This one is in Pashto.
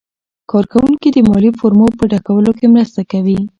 کارکوونکي د مالي فورمو په ډکولو کې مرسته کوي.